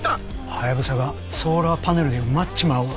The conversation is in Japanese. ハヤブサがソーラーパネルで埋まっちまうわ。